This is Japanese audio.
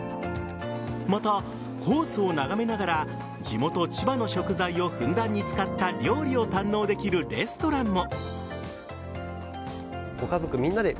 また、コースを眺めながら地元・千葉の食材をふんだんに使った料理を堪能できるレストランも。